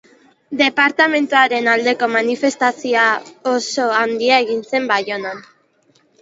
Departamenduaren aldeko manifestazio oso handia egin zen Baionan.